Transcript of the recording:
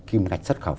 kim lạch xuất khẩu